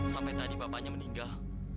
sampai tadi bapaknya meninggal